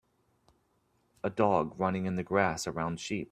A dog running in the grass around sheep.